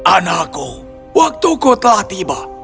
anakku waktuku telah tiba